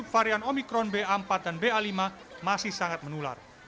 varian omikron ba empat dan ba lima masih sangat menular